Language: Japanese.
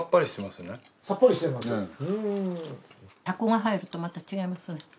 タコが入るとまた違いますね。